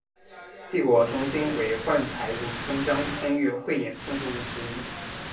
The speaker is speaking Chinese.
帝国中心为幻彩咏香江参与汇演建筑物之一。